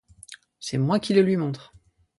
C’est moi qui le lui montre.